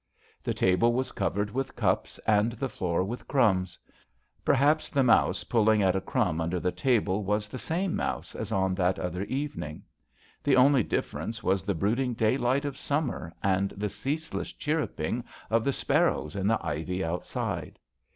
The table was covered with cups and the floor with crumbs. Perhaps the mouse pulling at a crumb under the table was the same mouse as on ^ that other evening. The only difference was the brooding daylight of summer and the ceaseless chirruping of the sparrows in the ivy outside.